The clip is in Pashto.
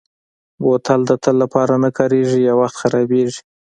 بوتل د تل لپاره نه کارېږي، یو وخت خرابېږي.